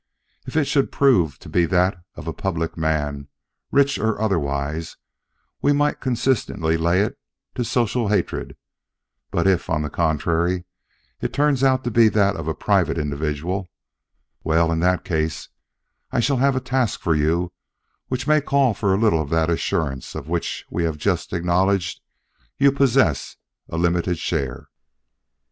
If it should prove to be that of a public man, rich or otherwise, we might consistently lay it to social hatred; but if, on the contrary, it turns out to be that of a private individual well, in that case, I shall have a task for you which may call for a little of that assurance of which we have just acknowledged you possess a limited share."